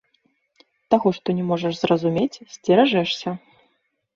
Таго, што не можаш зразумець, сцеражэшся.